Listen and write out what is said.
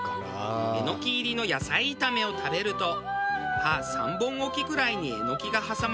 エノキ入りの野菜炒めを食べると歯３本おきくらいにエノキが挟まります。